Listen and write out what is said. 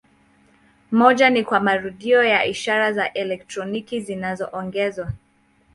Moja ni kwa marudio ya ishara za elektroniki zinazoongezwa.